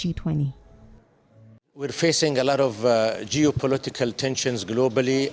kita menghadapi banyak tensi geopolitik global